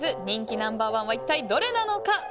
人気ナンバー１は一体どれなのか。